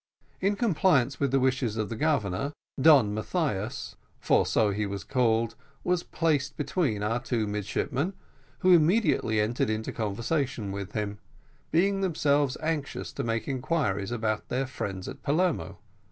In compliance with the wishes of the Governor, Don Mathias, for so he was called, was placed between our two midshipmen, who immediately entered into conversation with him, being themselves anxious to make inquiries about their friends at Palermo.